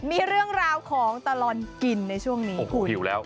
มีเรื่องราวของตลอดกินในช่วงนี้คุณ